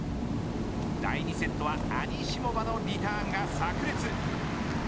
第２セットはアニシモバのリターンがさく裂。